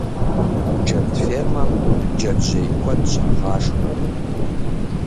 Джэд фермэм джэджьей куэд щагъашхэ.